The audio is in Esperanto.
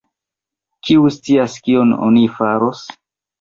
kiu scias, kion oni faros?